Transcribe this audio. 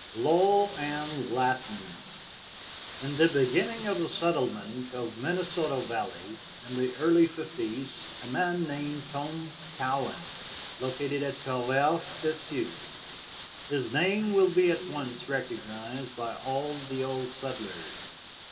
LAW AND LATIN. In the beginning of the settlement of the Minnesota valley, in the early fifties, a man named Tom Cowan located at Traverse des Sioux. His name will be at once recognized by all the old settlers.